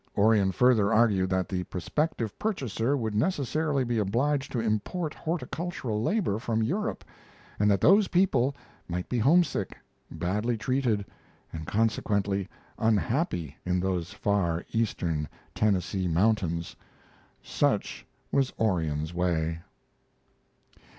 Orion further argued that the prospective purchaser would necessarily be obliged to import horticultural labor from Europe, and that those people might be homesick, badly treated, and consequently unhappy in those far eastern Tennessee mountains. Such was Orion's way.